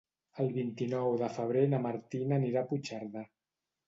El vint-i-nou de febrer na Martina anirà a Puigcerdà.